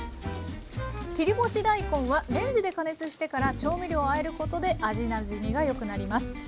切り干し大根はレンジで加熱してから調味料をあえることで味なじみがよくなります。